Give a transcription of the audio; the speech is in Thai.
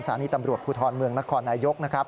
สาริตำรวจพูดธรรมเมืองนครนายยก